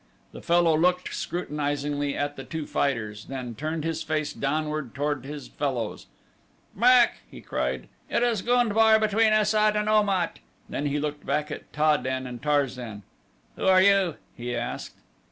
The fellow looked scrutinizingly at the two fighters, then turned his face downward toward his fellows. "Back!" he cried, "it is gund bar between Es sat and Om at." Then he looked back at Ta den and Tarzan. "Who are you?" he asked.